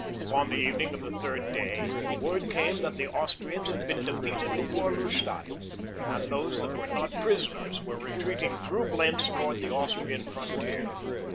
Upon the evening of the third day, word came that the Austrians had been defeated before Lustadt, and those that were not prisoners were retreating through Blentz toward the Austrian frontier.